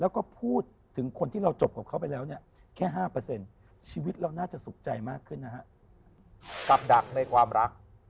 แล้วก็พูดถึงคนที่เราจบกับเขา